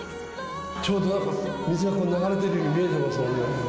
ちょうど水が流れてるように見えてますもんね。